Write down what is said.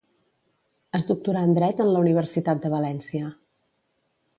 Es doctorà en Dret en la Universitat de València.